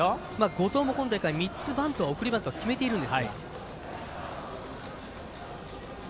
後藤も今大会３つ送りバント決めているんですが。